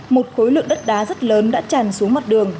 một khối lượng đất đá rất lớn đã tràn xuống mặt đường